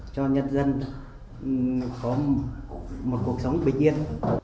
cho nhân dân có một cuộc sống bình yên